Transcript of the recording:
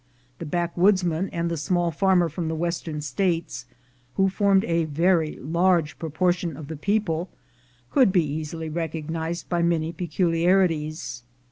The backwoodsman and the small farmer from the Western States, who formed a very large proportion of the people, could be easily recognized by many peculiarities.